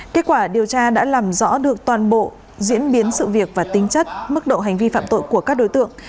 kết quả điều tra đã làm rõ được toàn bộ diễn biến sự việc và tính chất mức độ hành vi phạm tội của các đối tượng